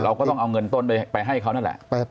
เราก็ต้องเอาเงินต้นไปให้เขานั่นแหละ